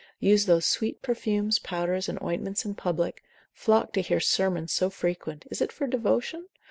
use those sweet perfumes, powders and ointments in public; flock to hear sermons so frequent, is it for devotion?